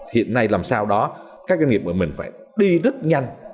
hiện nay làm sao đó các doanh nghiệp của mình phải đi rất nhanh